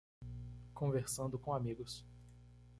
Conversando com amigos